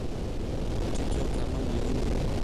ټکی او کامه مهم دي.